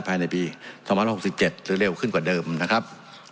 ภายในปี๒๐๖๗หรือเร็วขึ้นกว่าเดิมนะครับ